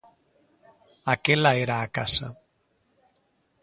Aquela era a casa.